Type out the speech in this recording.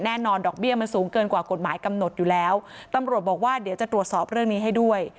ดอกเบี้ยมันสูงเกินกว่ากฎหมายกำหนดอยู่แล้วตำรวจบอกว่าเดี๋ยวจะตรวจสอบเรื่องนี้ให้ด้วย